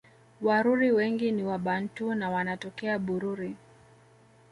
Waruri wengi ni Wabantu na wanatokea Bururi